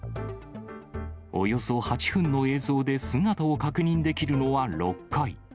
およそ８分の映像で姿を確認できるのは６回。